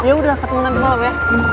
yaudah ketemu nanti malem ya